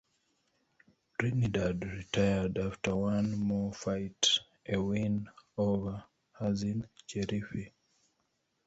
Trinidad retired after one more fight, a win over Hacine Cherifi.